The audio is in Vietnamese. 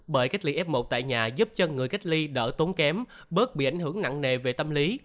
bởi cách ly f một tại nhà giúp cho người cách ly đỡ tốn kém bớt bị ảnh hưởng nặng nề về tâm lý